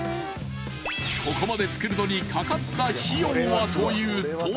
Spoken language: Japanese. ［ここまで造るのにかかった費用はというと］